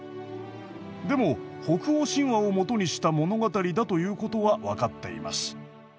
でも「北欧神話」を基にした物語だということは分かっています。